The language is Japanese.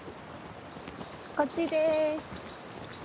こっちです。